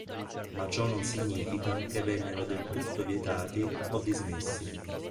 Ma ciò non significa che vennero del tutto vietati o dismessi.